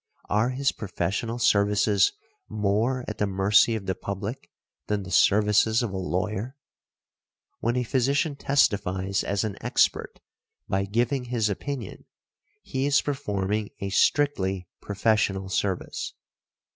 Are his professional services more at the mercy of the public than the services of a lawyer? When a physician testifies as an expert by giving his opinion, he is performing a strictly |29| professional service.